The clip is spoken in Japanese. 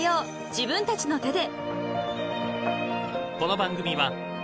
自分たちの手で］